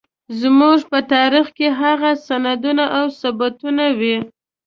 زموږ په تاريخ کې هغه سندونه او ثبوتونه وي.